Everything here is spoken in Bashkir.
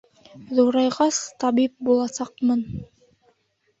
Ҙурайғас, табип буласаҡмын.